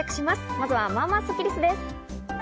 まずは、まあまあスッキりすです。